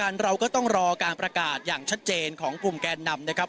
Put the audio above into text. เราก็ต้องรอการประกาศอย่างชัดเจนของกลุ่มแกนนำนะครับ